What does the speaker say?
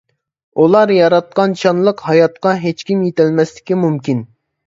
ئۇلار ياراتقان شانلىق ھاياتقا ھېچكىم يېتەلمەسلىكى مۇمكىن.